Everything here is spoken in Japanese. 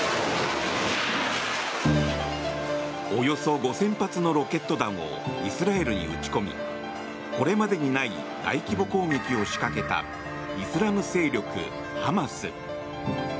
およそ５０００発のロケット弾をイスラエルに撃ち込みこれまでにない大規模攻撃を仕掛けたイスラム勢力ハマス。